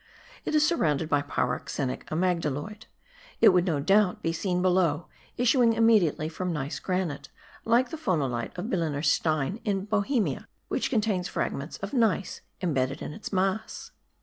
It is surrounded by pyroxenic amygdaloid; it would no doubt be seen below, issuing immediately from gneiss granite, like the phonolite of Biliner Stein, in Bohemia, which contains fragments of gneiss embedded in its mass.